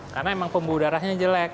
karena memang pembuah udaranya jelek